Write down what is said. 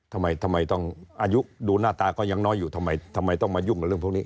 ทำไมทำไมต้องอายุดูหน้าตาก็ยังน้อยอยู่ทำไมต้องมายุ่งกับเรื่องพวกนี้